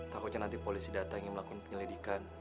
takutnya nanti polisi datang ingin melakukan penyelidikan